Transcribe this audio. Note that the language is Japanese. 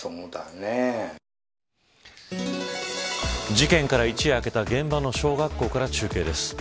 事件から一夜明けた現場の小学校から中継です。